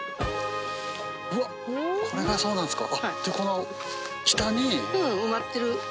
うわっこれがそうなんですか。